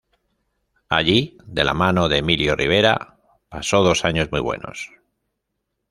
Allí de la mano de Emilio Rivera, pasó dos años muy buenos.